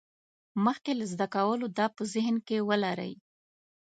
مخکې له زده کولو دا په ذهن کې ولرئ.